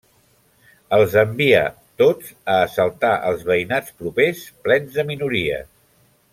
Els envia tots a assaltar els veïnats propers plens de minories.